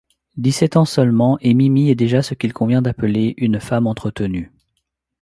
Dix-sept ans seulement et Mimi est déjà ce qu'il convient d'appeler une femme entretenue.